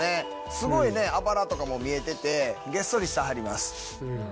すごいねあばらとかも見えててげっそりしてはります。